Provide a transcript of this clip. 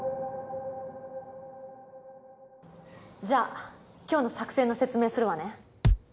じゃあ今日の作戦の説明するわね。